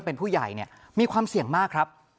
เป็นผู้ใหญ่เนี่ยมีความเสี่ยงมากครับ